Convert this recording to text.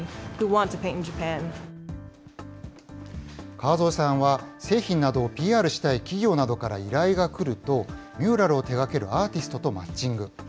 川添さんは、製品などをＰＲしたい企業などから依頼が来ると、ミューラルを手がけるアーティストとマッチング。